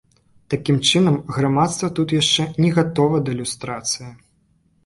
Такім чынам, грамадства тут яшчэ не гатова да люстрацыі.